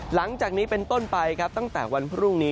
หลังจากนี้เป็นต้นไปครับตั้งแต่วันพรุ่งนี้